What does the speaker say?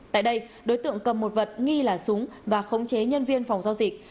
tại đây đối tượng cầm một vật nghi là súng và khống chế nhân viên phòng giao dịch